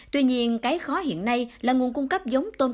tuy nhiên cái khó hiện nay là nguồn cung cấp giống tôm